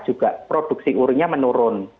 juga produksi urinnya menurun